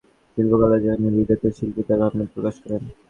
Video art তেমনই একটি শিল্পকলা, যেখানে ভিডিওতে শিল্পী তাঁর ভাবনা প্রকাশ করেন।